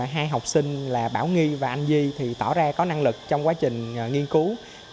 hai học sinh là bảo nghi và anh di thì tỏ ra có năng lực trong quá trình nghiên cứu